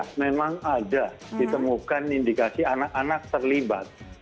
jadi memang ada ditemukan indikasi anak anak terlibat